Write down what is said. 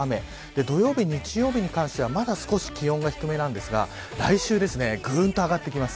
土曜日、日曜日に関してはまだ少し気温が低めなんですが来週、ぐんと上がってきます。